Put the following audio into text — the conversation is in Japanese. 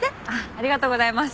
ありがとうございます。